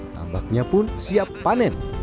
tambaknya pun siap panen